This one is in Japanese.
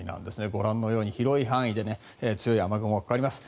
ご覧のように広い範囲で強い雨雲がかかります。